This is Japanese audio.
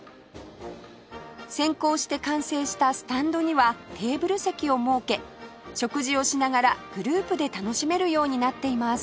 先行して完成したスタンドにはテーブル席を設け食事をしながらグループで楽しめるようになっています